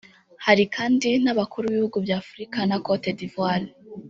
Hari kandi n’abakuru b’ibihugu bya Afurika nka Côte d’Ivoire